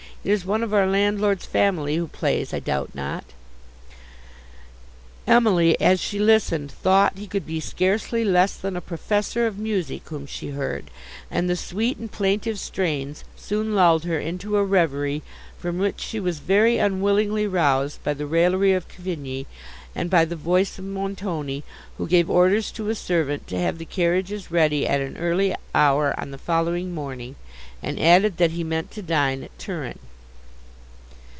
It is one of our landlord's family who plays, I doubt not," Emily, as she listened, thought he could be scarcely less than a professor of music whom she heard; and the sweet and plaintive strains soon lulled her into a reverie, from which she was very unwillingly roused by the raillery of Cavigni, and by the voice of Montoni, who gave orders to a servant to have the carriages ready at an early hour on the following morning; and added, that he meant to dine at Turin.